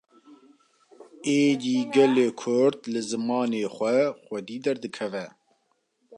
Êdî gelê Kurd, li zimanê xwe xwedî derdikeve